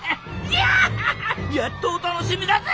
やっとお楽しみだぜ！